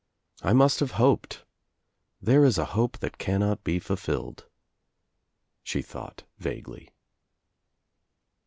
"I must have hoped. There is a hope that cannot :be fulfilled," she thought vaguely.